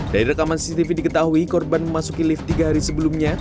dari rekaman cctv diketahui korban memasuki lift tiga hari sebelumnya